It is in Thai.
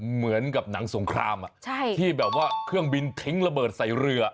เหมือนกับหนังสงครามที่แบบว่าเครื่องบินทิ้งระเบิดใส่เรือ